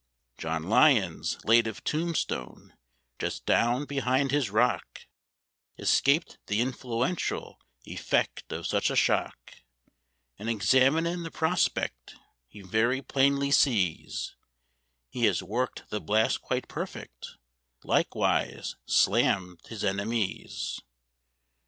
John Lyons, late of Tombstone, just down behind his rock, Escaped the influential effect of such a shock, And examinin' the prospect, he very plainly sees He has worked the blast quite perfect—likewise slammed his enemies.